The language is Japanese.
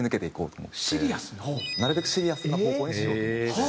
なるべくシリアスな方向にしようと思って。